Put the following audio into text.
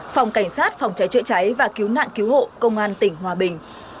phòng cảnh sát phòng cháy chữa cháy và cứu nạn cứu hộ công an tỉnh hòa bình